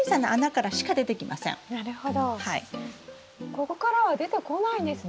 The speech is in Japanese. ここからは出てこないんですね。